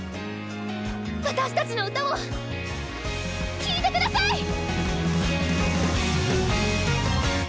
私たちの歌を聴いて下さい！